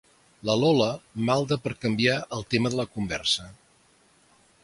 La Lola malda per canviar el tema de la conversa.